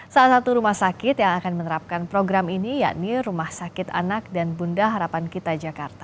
salah satu rumah sakit yang akan menerapkan program ini yakni rumah sakit anak dan bunda harapan kita jakarta